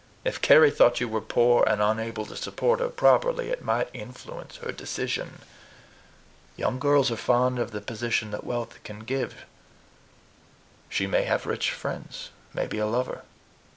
If Carry thought you were poor, and unable to support her properly, it might influence her decision. Young girls are fond of the position that wealth can give. She may have rich friends, maybe a lover."